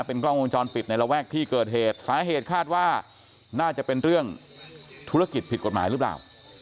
กล้องวงจรปิดในระแวกที่เกิดเหตุสาเหตุคาดว่าน่าจะเป็นเรื่องธุรกิจผิดกฎหมายหรือเปล่า